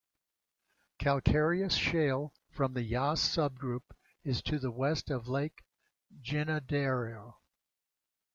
Calcareous Shale from the Yass Subgroup is to the west of Lake Ginninderra.